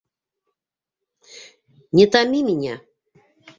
Не томи меня!